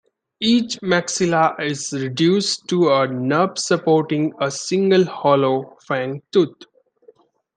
Each maxilla is reduced to a nub supporting a single hollow fang tooth.